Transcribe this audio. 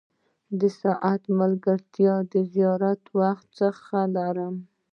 د ساعت ملګرتیا د زیات وخت څخه لرم.